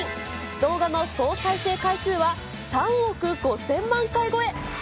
動画の総再生回数は３億５０００万回超え。